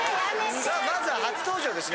さあまずは初登場ですね